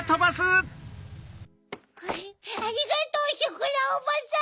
ありがとうショコラおばさん！